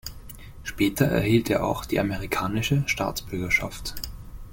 Später erhielt er auch die amerikanische Staatsbürgerschaft.